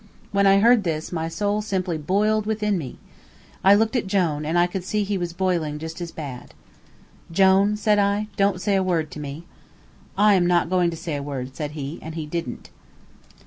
When I heard this my soul simply boiled within me! I looked at Jone, and I could see he was boiling just as bad. "Jone," said I, "don't say a word to me." "I am not going to say a word," said he, and he didn't.